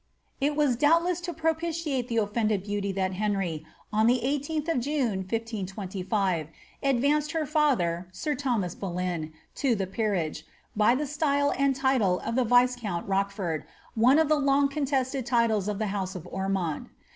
Jt was doubtless to propitiate the oflfended beauty that Henry, on the 18lh of June, 1525, advanced her father, sir Thomas Boleyn, to the peerage, by the style and title of the viscount Rochford, one of the loof con tested tides of the house of Ormond.